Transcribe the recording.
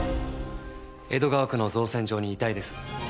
江戸川区の造船場に遺体です。